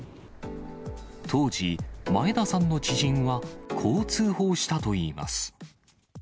当時、前田さんの知人はこう通報したといいます。